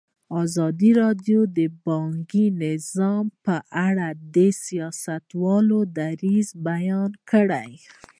ازادي راډیو د بانکي نظام په اړه د سیاستوالو دریځ بیان کړی.